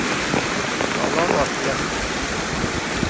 ต่อล้อต่อเถียง